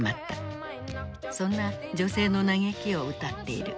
そんな女性の嘆きを歌っている。